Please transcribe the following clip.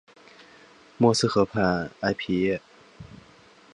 默斯河畔埃皮耶。